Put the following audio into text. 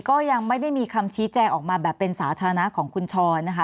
ก็ยังไม่ได้มีคำชี้แจงออกมาแบบเป็นสาธารณะของคุณชรนะคะ